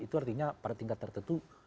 itu artinya pada tingkat tertentu